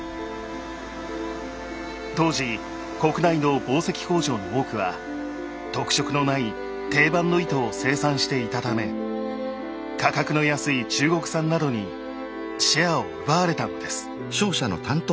当時国内の紡績工場の多くは特色のない定番の糸を生産していたため価格の安い中国産などにシェアを奪われたのです。